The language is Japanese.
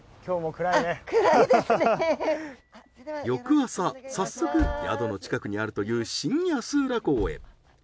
翌朝早速宿の近くにあるという新安浦港へ。